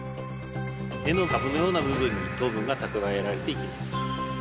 根のカブのような部分に糖分が蓄えられていきます。